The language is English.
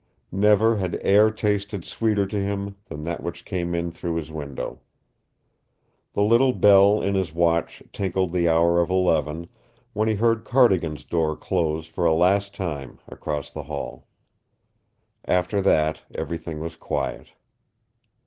Never had air tasted sweeter to him than that which came in through his window. The little bell in his watch tinkled the hour of eleven, when he heard Cardigan's door close for a last time across the hall. After that everything was quiet.